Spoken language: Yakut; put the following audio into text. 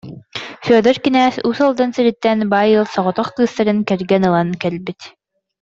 Федор кинээс Уус Алдан сириттэн баай ыал соҕотох кыыстарын кэргэн ылан кэлбит